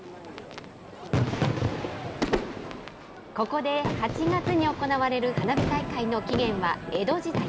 ここで８月に行われる花火大会の起源は、江戸時代。